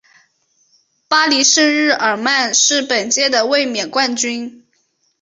巴黎圣日耳曼是本届的卫冕冠军。